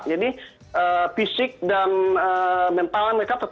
dan juga mereka selalu tetap fokus hidup tetap tiru di tidur nah risiko hemat